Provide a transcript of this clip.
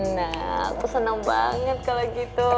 nah aku senang banget kalau gitu